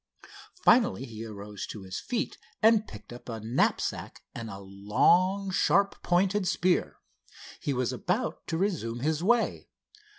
Finally he arose to his feet and picked up a knapsack and a long, sharp pointed spear. He was about to resume his way.